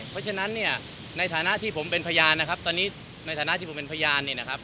เพราะฉะนั้นเนี่ยในฐานะที่ผมเป็นพยานนะครับตอนนี้ในฐานะที่ผมเป็นพยานเนี่ยนะครับ